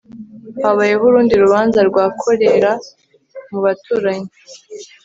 habayeho urundi rubanza rwa kolera mu baturanyi